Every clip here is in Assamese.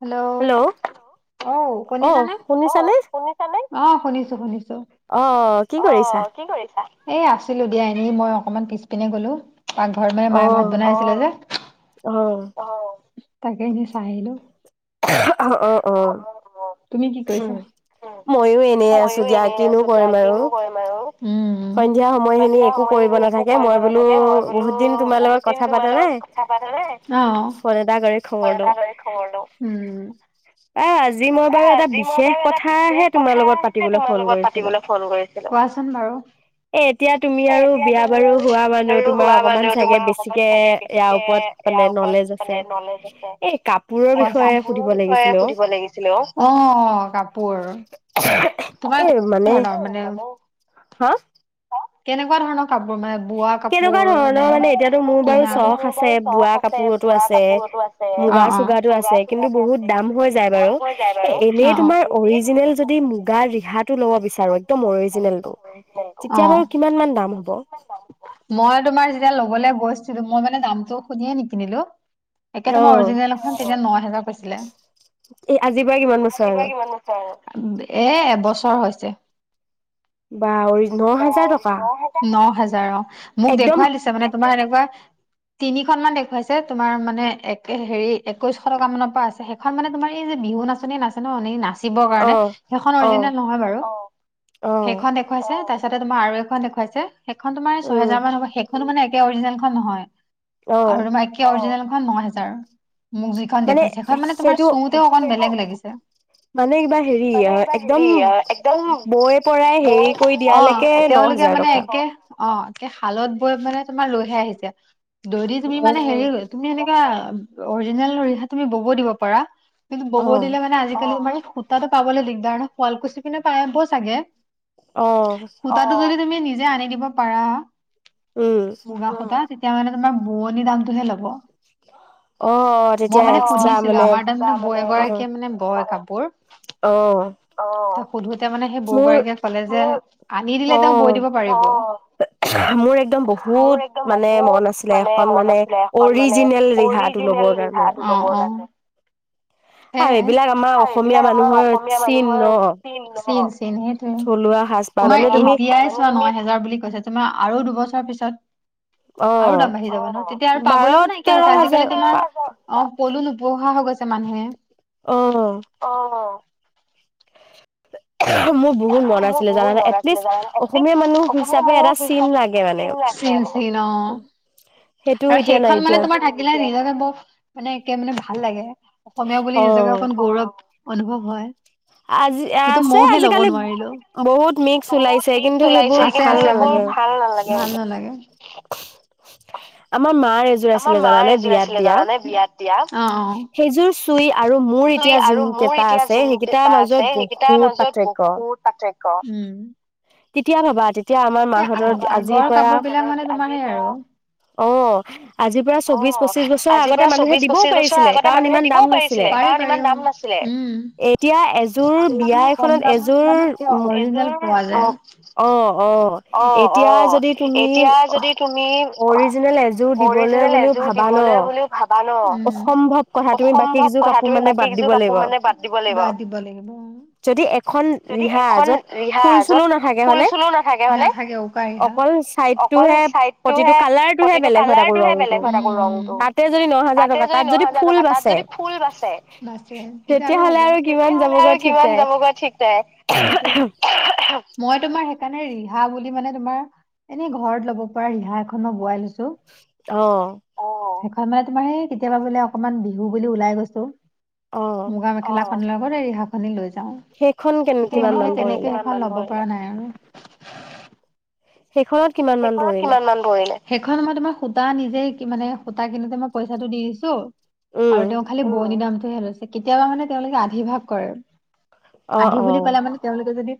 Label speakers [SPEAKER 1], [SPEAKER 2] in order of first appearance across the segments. [SPEAKER 1] হেল্ল' অ শুনিছানে? অ' শুনি শুনিছানে? অ 'শুনিছো শুনিছো। অ কৰিছা? এই আছিলো দিয়া এনেই মই অকণমান পিছপিনে গলো পাকঘৰত মানে মায়ে ভাত বনাই আছিলে যে।
[SPEAKER 2] অহ
[SPEAKER 1] অ, তাকে এনে চাই আহিলো। তুমি কি কৰিছা? ময়ো এনে আছো দিয়া কি নো কৰিম আৰু, উম উম, সন্ধিয়া সময়খিনি একো কৰিব নাথাকে মই বোলো বহুত দিন তোমাৰ লগত কথা পাতা নাই অ, অ, তাক লৈ খবৰ লওঁ, উম।
[SPEAKER 2] আহ আজি মই বাৰু এটা বিশেষ কথাহে তোমাৰ লগত পাতিবলৈ ফোন কৰিছিলো।
[SPEAKER 1] কোৱাচোন বাৰু? এ এতিয়া তুমি আৰু বিয়া বাৰু হোৱা মানুহ তোমাৰ অকমান চাগে বেছিকে ইয়াৰ ওপৰত মানে নলেজ আছে। কাপোৰৰ বিষয়ে সুধিব লাগি চিলেও, অ কাপোৰ, তোমাক কেনেকুৱা ধৰণৰ মানে
[SPEAKER 2] হা?
[SPEAKER 1] কেনেকুৱা ধৰণৰ কাপোৰ মানে বোৱা কাপোৰে নে কিনা, মোৰ বাৰু চখ আছে বোৱা কাপোৰতো আছ
[SPEAKER 2] মুগা চুগাটো আছে কিন্তু বহুত দাম হৈ যায় বাৰু, এ এনেই তোমাৰ অৰিজিনেল যদি মো গাৰ ৰিহাটো লব বিচাৰো একদম অৰিজিনেলটো তেতিয়া বাৰু কিমান মান দাম হ'ব?
[SPEAKER 1] মই তোমাৰ যেতিয়া ল'বলে গৈছিলো মই মানে দামটো শুনিয়ে নিকিনিলো। একে তোমাৰ অৰিজিনেলখন তেতিয়া ন হেজাৰ কৈছিলে, আজিৰ পৰা কিমান ব চৰ? এ এবছৰ হৈছে।
[SPEAKER 2] বা অৰি
[SPEAKER 1] ন হাজাৰ অ, মোক দেখুৱাই দিছে মানে তোমাৰ এনেকুৱা তিনিখন মান দেখুৱাইছে তোমাৰ মানে এক হেৰি একৈছশ টকা মানৰ পৰা আছে হে এখন মানে তোমাৰ এই যে বিহু নাচনি নাচে ন এনে নাচ চিব কাৰণে সেইখন অৰিজিনেল নহয় বাৰু সেইখন দেখুৱাইছে তাচ তাতে তোমাৰ আৰু এখন দেখুৱাইছে সেইখন তোমাৰ ছহেজাৰ মান হ'ব সেইখনো মানে একে অৰিজিনেলখন নহয়। আৰু তোমাৰ একে অৰিজিনেলখন ন হেজাৰ। মোক যিখন দেখুৱাইছে সেইখন মানে তোমাৰ চুওঁতেও অকমান বেলেগ লাগিছে। মানে এইবাৰ হেৰি অ একদম [unintelligible] অ তেওঁলোকে মানে একে অ এ শালত বৈ মানে তোমাৰ লৈহে আহিছে দৈ দি তুমি মানে হেৰি হৈ তুমি এনেকা অৰিজিনেল ৰিহা তুমি বব দিব পাৰা কিন্তু বব দিলে মান নে আজিকালি মানে সূতাটো পাবলৈ দিগদাৰ ন শুৱালকুছি পিনে পায়াব চাগে।
[SPEAKER 2] অ।
[SPEAKER 1] সূতাটো যদি তুমি নিজে আনি দিব পাৰা
[SPEAKER 2] উম।
[SPEAKER 1] কিবা সোতা তেতিয়া মানে তোমাৰ বোৱনীৰ দামটোহে ল'ব। মই মানে সুধিছিলো আমাৰ তাৰমানে বৌ এগৰাকীয়ে মানে বয় কাপোৰ
[SPEAKER 2] অ।
[SPEAKER 1] সোধোতে মানে সেই বৌগৰাকীয়ে ক'লে যে আনি দিলে তেওঁ বৈ দিব পাৰিব।
[SPEAKER 2] মোৰ একদম বহুত মানে মন আছিলে এখন মানে অৰিজিনেল ৰিহাত টো ল'বৰ কাৰণে।
[SPEAKER 1] অ অ, সেয়েহে, আৰু এইবিলাক আমাৰ অসমীয়া মানুহ চিন, চিন সেইটোয়ে তোমাৰ এতিয়া এ চোৱা ন হেজাৰ বুলি কৈছে তোমাৰ আৰু দুবছৰ পিছত আৰু দাম বাঢ়ি যাবা ন তেতিয়া আৰু পাবলৈও নাইকিয়া হৈছে আজিকালি তোমাৰ অ পলু নোপোহা হৈ গৈছে মানুহে।
[SPEAKER 2] অ'।
[SPEAKER 1] অ'।
[SPEAKER 2] [unintelligible] মোৰ বহুত মন আছিলে জানে এটলিষ্ট অসমীয়া মানুহ হিচাপে এটা চিন লাগে মানে।
[SPEAKER 1] চিন চিন অ আৰু সেইখন মানে তোমাৰ থাক লে নিজকে বৰ মানে একে মানে ভাল লাগে অসমীয়া বুলি নিজকে অকন গৌৰৱ অনুভৱ হয় কিন্তু মইহে ল'ব নোৱাৰিলো। বহুত মিক্স ওলাইছে এইবোৰ ভাল নালাগে, ভাল নালাগে।
[SPEAKER 2] আমাৰ মাৰ এযে
[SPEAKER 1] আমাৰ মাৰ এযোৰ আছিলে জানানে বিয়াত দিয়া, অ' অ'। আৰু মোৰ এতিয়া যোন কেইটা আছে সেইকেইটাৰ মাজত বহুত পাৰ্থক্য, উম'।
[SPEAKER 2] তেতিয়া ভাবা তেতিয়া আমাৰ মাহতৰ আজিৰ পৰা
[SPEAKER 1] [unintelligible]
[SPEAKER 2] অ' আজিৰ পৰা চৌবিশ পঁচিশ বছৰৰ আগতে মানুহে দিবও পাৰিছিলে কাৰণ ইমান দাম নাছিলে। এতিয়া এযোৰ বিয়া এখনত এযোৰ উম'
[SPEAKER 1] পোৱা যায়। অ' অ' এতিয়া যদি তুমি অৰি জিনেল এযোৰ দিবলৈ বুলিও ভাবা ন অসম্ভৱ কথা তুমি বাকী কেযোৰ কাপোৰ মানে বাদ দিব লাগিব বাদ দিব লাগিব অ যদি এখন ৰিহা য'ত ফুল চুলো নাথাকে হয়নে নাথাকে উকা ৰিহা অকল চাইড টো হে পটিটো কালাৰ বেলেগ হয় তাকো ৰংটো তাতে যদি ন হাজাৰ টকা তাত যদি ফুল বাচে বাচে তেতিয়া আৰু হ'ব তেতিয়াহলে আৰু কিমান যাবগৈ ঠিক নাই সেইটোৱেই। মই তোমাৰ সেইকাৰণে ৰিহা বুলি মানে তোমাৰ এনেই ঘৰত ল'ব পৰা ৰিহা এখন বিয়াই আনিছোঁ।
[SPEAKER 2] অ'
[SPEAKER 1] অ' সেইখন মানে তোমাৰ সেই কেতিয়াবা বোলে অকমান বিহু বুলি ওলাই গৈছো মুগা মেখেলা লগতে ৰিহাখনো লৈ যাও কিন্তু মানে তেনেকে সেখন ল'ব পৰা নাই আৰু
[SPEAKER 2] সেইখনত
[SPEAKER 1] সেইখনত কিমান মান? পৰিলে সেইখন মই তোমাৰ সুতা নিজে মানে সুতা কিনোতে মই পইচাটো দি দিছো। আৰু তেওঁ খালি বোৱনী দামটোহে লৈছে কেতিয়াবা মানে তেওঁলোকে আধিভাগ কৰে। আধি বুলি কলে মানে তেওঁলোকে যদি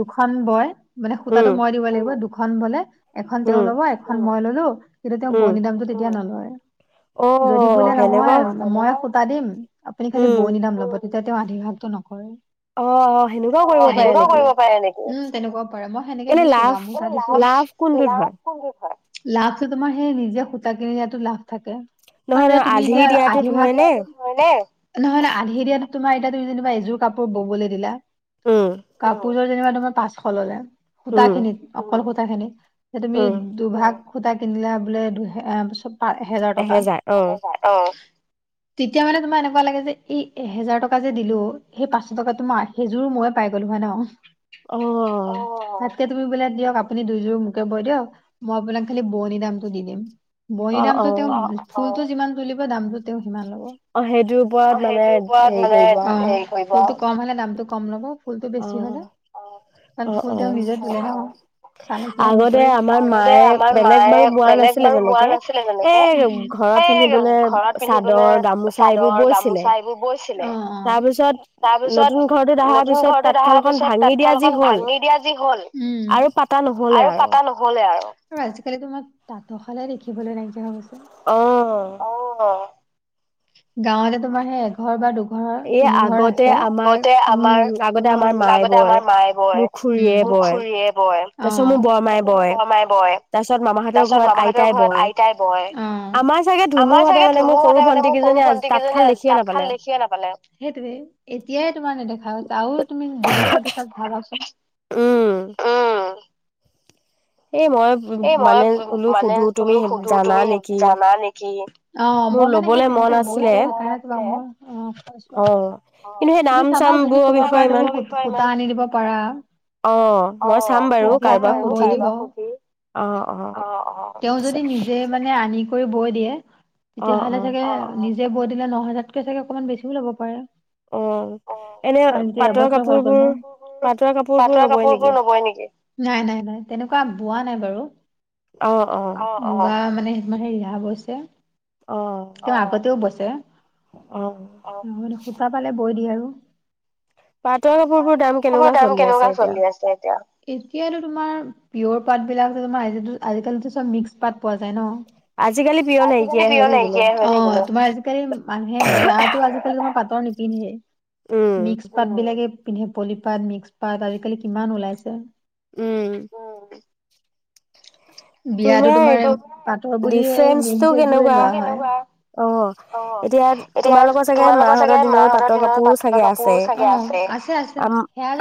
[SPEAKER 1] দুখন বয়। মানে সূতাটো মই দিব লাগিব দুখন বলে এখন তেওঁ ল'ব এখন মই ললো। কিন্তু তেওঁ বোৱনী দামটো তেতিয়া নলয় যদি বোলে নহয় মই সূতা দিম। আপুনি খালি বোৱনী দামটো ল'ব তেতিয়া তেওঁ আধি ভাগটো নকৰে। অ' সেনেকুৱাও কৰিব পাৰে নেকি উম' তেনেকুৱাও পাৰে মই সেনেকে দিছো গামোচা দিছো। লাভ কোনটোত হয় লাভটো তোমাৰ সেই নিজে সুতা কিনি দিয়াতোত লাভ থাকে। কাৰন যে তুমি এতিয়া আধি ভাগ হয় নে নহয় নহয় আধি দিয়াতো তোমাৰ এতিয়া তুমি যেনিবা এযোৰ কাপোৰ ববলৈ দিলা। কাপোৰযোৰ যেনিবা তোমাৰ পাঁচশ ললে সূতা খিনিত অকল সূতা খিনিত। যে তুমি দুভাগ সূতা কিনিলা বোলে দুহে পিচত এহেজাৰ টকা এহেজাৰ অ' তেতিয়া মানে তোমাৰ এনেকুৱা লাগে যে এই এহেজাৰ টকা যে দিলো। সেই পাঁচশ টকাতো মাৰ সেইযোৰো মইয়ে পাই গলো হয় ন? অ তাতকে তুমি বোলে দিয়ক আপুনি দুযোৰ মোক- বৈ দিয়ক, মই আপোনাক খালি বোৱনী দামটো দি দিম। বোৱনী দামটো তেওঁ- ফুলটো যিমান তুলিব দামটো তেওঁ সিমান ল'ব। অ সেইটোৰ ওপৰত মানে হেৰি- কৰিব। ফুলটো কম হলে দামটো কম লব। ফুলটো বেছি হলে। অঁ কাৰণ ফুল তেওঁ নিজে তুলে ন। চানি- প্লেন কৰি। আগতে আমাৰ মায়ে বেলেগ বাৰু বোৱা নাছিলে তেনেকে- এ ঘৰত পিন্ধিবলে চাদৰ গামোচা এইবোৰ বৈইছিলে। তাৰ পিছত নতুন ঘৰটোত অহাৰ পিছত তাঁতশাল খন ভাঙি দিয়া যি হ'ল,
[SPEAKER 2] পাতা নহল।
[SPEAKER 1] আৰু পাতা নহলে আৰু। অ আজিকালি তোমাৰ তাঁতৰ শালে দেখিবলৈ নাইকিয়া হৈ গৈছে।
[SPEAKER 2] অঁ
[SPEAKER 1] গাঁৱতে তোমাৰ সেই এঘৰ বা দুঘৰ তিনি ঘৰ আছে। এ আগতে আমাৰ- উম আগতে আমাৰ মায়ে বয় উম মোৰ খুৰীয়ে বয়। অ তাৰ পিছত মোৰ বৰ মাই বয়, তাৰ পিছত মামাহঁতৰ ঘৰত আইতাই- বয়। আমাৰ চাগে ধুনুহতে মানে মোৰ সৰু ভন্টি কেইজনী তাঁতশাল দেখি- দেখিয়ে নাপালে। সেইটোৱে এতিয়াই তোমাৰ নেদেখা হৈছে আৰু তুমি দুবছৰ পিছত ভাবাচোন।
[SPEAKER 2] উম।
[SPEAKER 1] অ
[SPEAKER 2] এই মই-
[SPEAKER 1] এই মই উ মানে বোলো সুধো তুমি জানা নেকি? অ', মই মানে সেই তেনেকৈ বৈছোঁ, সেইকাৰণে কিবা- তুমি চাবা যদি ক'ব পাৰা, তুমি সূতা আনি দিব পাৰা। অ', মই চাম বাৰু। তেতিয়া মই বৈ দিব।
[SPEAKER 2] অ, অ,
[SPEAKER 1] তেওঁ যদি নিজে মানে আনি কৰি বৈ দিয়ে, তেতিয়াহ'লে চাগে- নিজে বৈ দিলে নহয়, তাতকে চাগে অকণমান বেছিও ল'ব পাৰে। অ, কাইতে এবছৰ হৈ গল। পাটৰ কাপোৰ নবয় নেকি? নাই, নাই, নাই তেনেকুৱা বোৱা নাই। বাৰু, অ মানে সেই মে ৰিহা বৈছে। অ, আগতেও বছে, সূতা পালে বৈ দিয়ে আৰু। বোৰ দাম কেনেকুৱা চলি আছে এতিয়া? এতিয়াতো তোমাৰ পিয়'ৰ পাতবিলাক যে তোমাৰ আজ আজিকালিতো চব মিক্স পাত পোৱা যায় ন। আজিকালি পিয়'ৰ নাইকিয়াই হৈ থাকিলে। অ তোমাৰ আজিকালি- মানুহে বিয়াতো আজিকালি মানে পাতৰ নিপিন্ধে। মিক্স পাত বিলাকে- পিন্ধে। পলি পাট মিক্স পাত আজিকালি কিমান ওলাইছে।
[SPEAKER 2] উম
[SPEAKER 1] বিয়াতো তোমাৰ এই পাটৰ বুলি এই মেনচেট জোৰে লোৱা হ'ল।
[SPEAKER 2] অ' এতিয়া তোমালোকৰ চাগে মাহঁতৰ দিনৰ পাটৰ কাপোৰো চাগে আছে।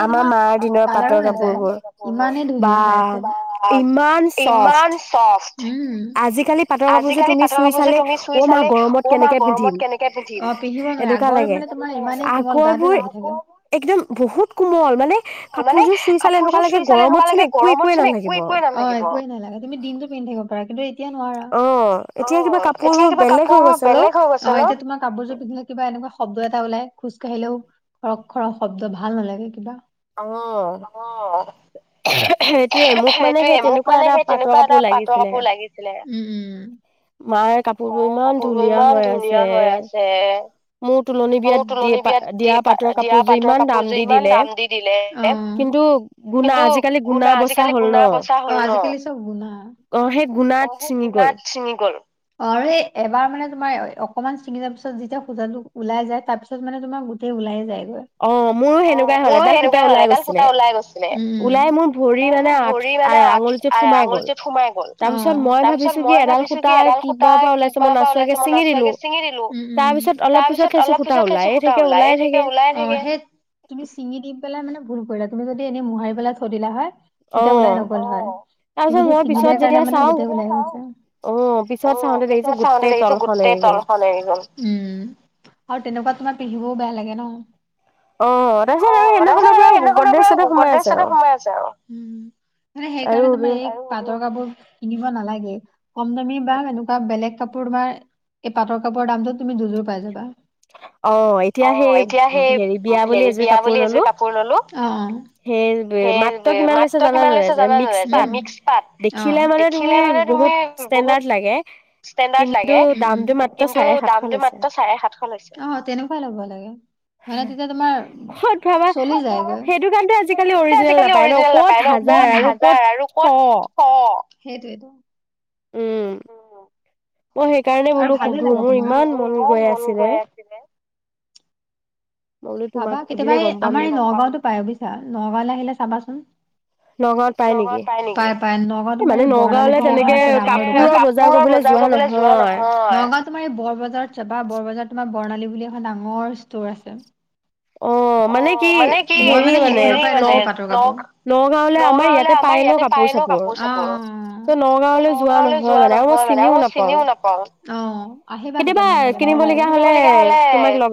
[SPEAKER 2] আমাৰ মা দিনৰ পাটৰ কাপোৰ বোৰ বা ইমান ছফ্ট। আজিকালি পাটৰ কাপোৰযোৰ তুমি চুই চালে অ' মা গৰমত- কেনেকে পিন্ধিম অনকা লগে। আগৰবোৰ- একদম বহুত কোমল মানে কাপোৰযোৰ চুই চালে এনেকুৱা লাগে গৰমত চোন একো একোৱে নালাগিব।
[SPEAKER 1] একোৱে নালাগিব। অঁ একোৱেই নালাগে তুমি দিনটো পিন্ধি থাকিব পাৰিবা। কিন্তু- এতিয়া নোৱাৰা। অ' এতিয়া কিবা কাপোৰবোৰ- অ তোমাৰ কাপোৰযোৰ পিন্ধিলে কিবা এনেকুৱা শব্দ এটা ওলাই, খোজ কাঢ়িলেও খৰক খৰক শব্দ ভাল নালাগে কিবা, অহ। এইটোৱে মোক মানে সেই তেনেকুৱা এটা পাটৰ কাপোৰ লাগিছিলে, উম উম।
[SPEAKER 2] মাৰ কাপোৰবোৰ ইমান ধুনীয়া হৈ আছে।
[SPEAKER 1] [unintelligible] মোৰ তোলনি বিয়াত দি পা দিয়া পাটৰ কাপোৰযোৰ ইমান দাম দি দিলে নে, অ। কিন্তু গুণা আজিকালি গুনা বচা হল, অ আজিকালি সব গুণা।
[SPEAKER 2] অ' সেই গুণা
[SPEAKER 1] অ সেই গুণাত চিঙি গ'ল। অ' আৰু সেই এবাৰ মানে তোমাৰ অকনমান ছিঙি যোৱাৰ পিছত যেতিয়া সোতাটো ওলাই যায় তাৰ পিছ পিছত মানে তোমাৰ গোটেই ওলাই যায়গৈ। অ' মোৰো সেনেকুৱাই হল এডাল সুতা ওলাই গৈছিলে, উম, ওলাই মোৰ ভৰি মানে আঠ আৰু আঙুলিটোত সোমাই গ'ল। অ তাৰ পিছত মই ভাবিছোঁ কি এডাল সূতা কি বা পৰা ওলাইছে মই নাচোৱাকে চিঙি দিলোঁ, উম উম, তাৰপিছত অলপ পিছত [unintelligible] সূতা ওলায়ে থাকে ওলা অ হেত, তুমি চিঙি দি পেলাই মানে ভুল কৰিলা। তুমি যদি এনেই মোহাৰি পেলাই থৈ দিলা হয় তেতিয়া ওলাই নগল হয়, তুমি সেই চিঙি দিয়া কাৰনে মানে গোটেই [unintelligible] অ পিছত চাওঁতে দেখিছোঁ গোটেই তলখন এৰি গ'ল। উম আৰু তেনেকুৱা তোমাৰ পিন্ধিবলৈও বেয়া লাগে ন? অ, তাৰপিছত এই সেইদিনাখনৰ পৰা গডৰেছতে সোমাই আছে আৰু উম। মানে সেইকাৰণে তোমাৰ এই পাটৰ কাপোৰ কিনিব নালাগে, কম দামী বা এনেকুৱা বেলেগ কাপোৰ বা এই পাটৰ কাপোৰৰ দামটো তুমি দুযোৰ পাই যাবা। অ এতিয়া সেই হেৰি বিয়া বুলি এযোৰ কাপোৰ ললো, অ অ। সেই মাত্ৰ কিমান লৈছে জানা নে নাই? যে মিক্স পাত দে খিলে মানে তুমি বহুত ষ্টেণ্ডাৰ্ড লাগে কিন্তু দামটো মাত্ৰ চাৰে সাতশ লৈছে। অ, তেনেকুৱাই ল'ব লাগে।
[SPEAKER 2] ক'ত ভাবা, সেইটো কাৰনেটো আজিকালি অৰিজিনেল নাপায় ন' ক'ত হাজাৰ আৰু ক'ত শ?
[SPEAKER 1] শ, সেইটোৱেটো।
[SPEAKER 2] উম, মই সেইকাৰণে বোলো সুধো মোৰ ইমান মন গৈ আছিলে।
[SPEAKER 1] চাবা কেতিয়াবা এ আমাৰ এই নগাঁওতো পাই বুজিছা? নগাঁৱলৈ আহিলে চাবাচোন। পাই-পাই নগাৱঁত তোমাৰ এই বৰ্ণালী বুলি এখন আছে ডাঙৰ দোকান। পোৰৰ বজাৰ কৰিবলৈ যোৱা নহয়, নগাঁওত তোমাৰ এই বৰ বজাৰত চাবা, বৰ বজাৰ তোমাৰ বৰ্ণালী বুলি এখন ডাঙৰ ষ্ট'ৰ আছে। অ', মানে কি হেৰি মানে নগ নগাঁওলে আমাৰ ইয়াতে পায় ন' কাপোৰ-চাপোৰ, ত নগাঁওলৈ যোৱা নহয় মানে আৰু মই চিনিও নাপাও। অ, আহিবা কেতিয়াবা মই লই যাম, কিনিবলগীয়া হ'লে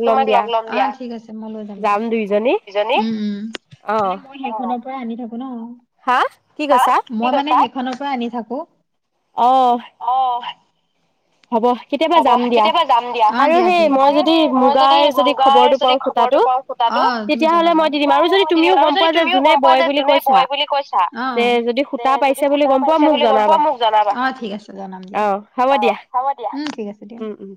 [SPEAKER 1] তোমাক লগ লম দিয়া। অ ঠিক আছে মই লৈ যাম দিয়া, যাওঁ দুইজনি, উম উম, মানে মই সেইখনৰ পৰা আনি থাকো ন', মই মানে সেইখনৰ পৰা আনি থাকো।
[SPEAKER 2] অ।
[SPEAKER 1] অ।
[SPEAKER 2] হ'ব।
[SPEAKER 1] হ'ব কেতিয়াবা যাম দিয়া। অ, দিয়া ঠিক আছে। আৰু হেৰি মই যদি মুগাৰ যদি খবৰটো পাও সূতাটো অ তুমি জনাবা তেতিয়াহলে মই দি দিম আৰু যদি তুমিও গম পোৱা যে যোনে বয় বুলি কৈছা অ, দে যদি সূতা পাইছে বুলি গম পোৱা মোক জনাবা অ, ঠিক আছে জনাম দিয়া অ হব দিয়া। উম।
[SPEAKER 2] উম